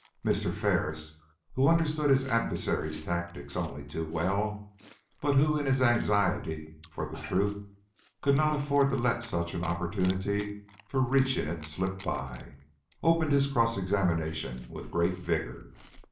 Mr. Ferris who understood his adversary's tactics only too well, but who in his anxiety for the truth could not afford to let such an opportunity for reaching it slip by, opened his cross examination with great vigor.